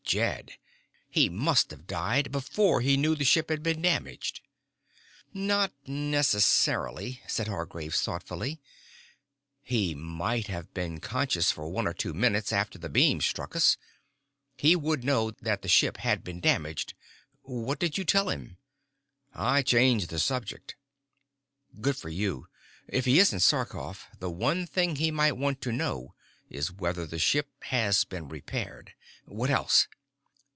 Jed, he must have died before he knew the ship had been damaged." "Not necessarily," said Hargraves thoughtfully. "He might have been conscious for one or two minutes after the beam struck us. He would know that the ship had been damaged. What did you tell him?" "I changed the subject." "Good for you. If he isn't Sarkoff, the one thing he might want to know is whether the ship has been repaired. What else?"